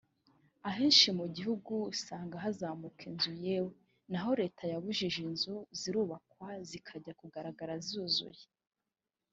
Ahenshi mu gihugu usanga hazamuka inzu yewe n’aho leta yabujije inzu zirubakwa zikajya kugaragara zuzuye